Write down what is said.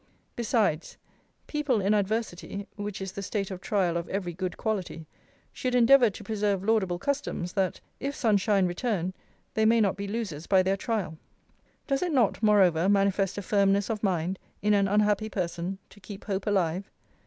Besides, people in adversity (which is the state of trial of every good quality) should endeavour to preserve laudable customs, that, if sun shine return, they may not be losers by their trial. Does it not, moreover, manifest a firmness of mind, in an unhappy person, to keep hope alive?